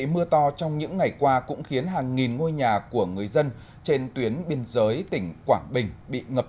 mưa to trong những ngày qua cũng khiến hàng nghìn ngôi nhà của người dân trên tuyến biên giới tỉnh quảng bình bị ngập